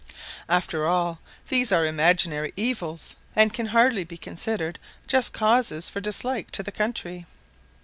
After all, these are imaginary evils, and can hardly be considered just causes for dislike to the country.